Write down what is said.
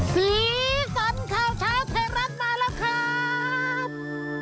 สีสันข่าวเช้าไทยรัฐมาแล้วครับ